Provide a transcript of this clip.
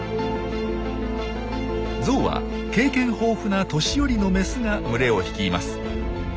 ゾウは経験豊富な年寄りのメスが群れを率います。